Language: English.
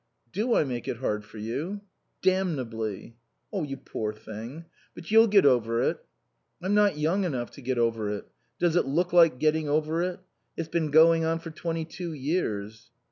"Do I make it hard for you?" "Damnably." "You poor thing. But you'll get over it." "I'm not young enough to get over it. Does it look like getting over it? It's been going on for twenty two years."